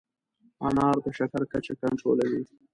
انار د شکر کچه کنټرولوي.